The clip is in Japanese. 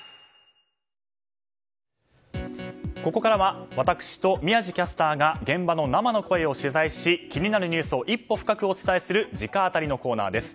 ここからは私と宮司キャスターが現場の生の声を取材し気になるニュースを一歩深くお伝えする直アタリのコーナーです。